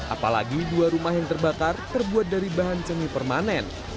apalagi dua rumah yang terbakar terbuat dari bahan cengi permanen